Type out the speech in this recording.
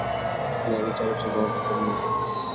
ন্যায়বিচার হচ্ছে গণতন্ত্রের মূল ভিত্তি।